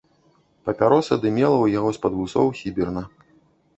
Папяроса дымела ў яго з-пад вусоў сіберна.